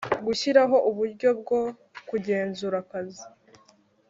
gushyiraho uburyo bwo kugenzura akazi